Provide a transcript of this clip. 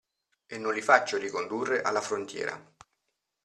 E non li faccio ricondurre alla frontiera.